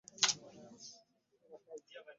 Funa ennimiro nawe olime.